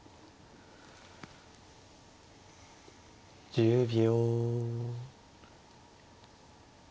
１０秒。